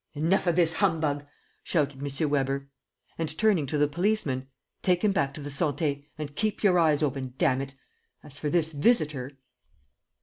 "Enough of this humbug!" shouted M. Weber. And, turning to the policemen, "Take him back to the Santé. And keep your eyes open, damn it! As for this visitor